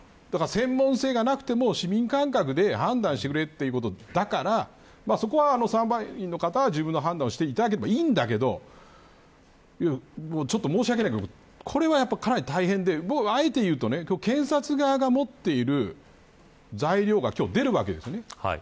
専門性がなくても市民感覚で判断してくれということだからそこは裁判員の方は自分の判断をしていただければいいんだけど申し訳ないけれどこれは、かなり大変であえて言うと検察側が持っている材料が今日、出るわけです。